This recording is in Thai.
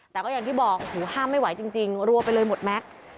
แต่ก็อย่างที่บอกหูห้ามไม่ไหวจริงรัวไปเลยหมดแม็กซ์